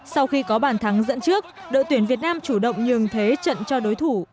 sau khi có bàn thắng dẫn trước đội tuyển việt nam chủ động nhường thế trận cho đối thủ